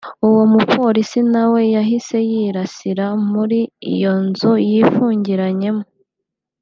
uwo mupolisi na we yahise yirasira muri iyo nzu yifungiranyemo